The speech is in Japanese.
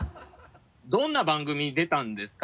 「どんな番組出たんですか？」